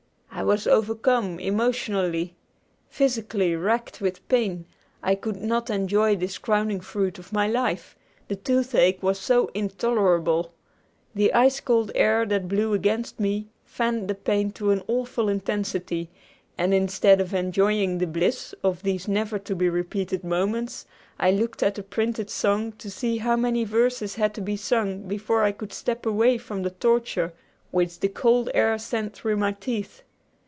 I was overcome, emotionally. Physically racked with pain, I could not enjoy this crowning fruit of my life, the toothache was so intolerable. The ice cold air that blew against me fanned the pain to an awful intensity, and, instead of enjoying the bliss of these never to be repeated moments, I looked at the printed song to see how many verses had to be sung before I could step away from the torture which the cold air sent through my teeth.